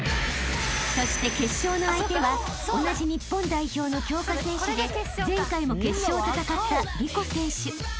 ［そして決勝の相手は同じ日本代表の強化選手で前回も決勝を戦ったＲｉｋｏ選手］